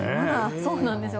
そうなんですよ。